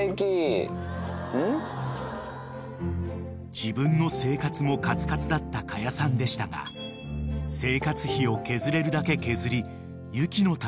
［自分の生活もカツカツだった可夜さんでしたが生活費を削れるだけ削り雪のために使いました］